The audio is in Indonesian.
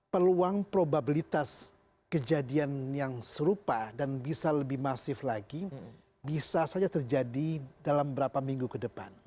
peluang probabilitas kejadian yang serupa dan bisa lebih masif lagi bisa saja terjadi dalam beberapa minggu ke depan